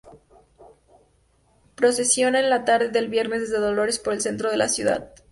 Procesiona en la tarde del Viernes de Dolores por el centro de la ciudad.